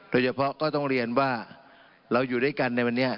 โดยเฉพาะก็ต้องเรียนว่าเราอยู่ด้วยกันในวันนี้